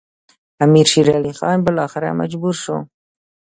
امیر شېر علي خان بالاخره مجبور شو.